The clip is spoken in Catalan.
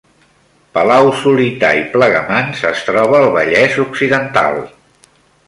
Palau-solità i Plegamans es troba al Vallès Occidental